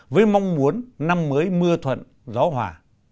với mong muốn năm mới mưa thuận gió hòa